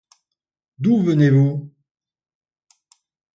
D’où venez-vous?